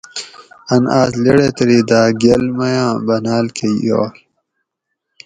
ان آس لیڑہ تلی دا گۤل میاں بناۤل کہ یائ